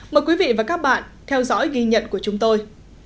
mời quý vị và các bạn theo dõi ghi nhận của chúng tôi